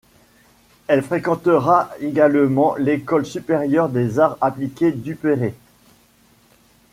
Elle fréquentera également l'école supérieure des arts appliqués Duperré.